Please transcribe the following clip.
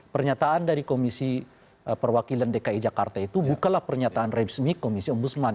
pernyataan dari komisi perwakilan dki jakarta itu bukalah pernyataan resmi komisi ombudsman